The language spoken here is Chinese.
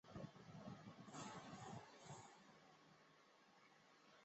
他是波兰裔瑞典人。